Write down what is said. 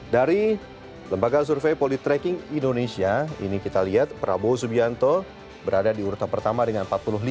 dari lembaga survei politreking indonesia ini kita lihat prabowo subianto berada di urutan pertama dengan empat puluh lima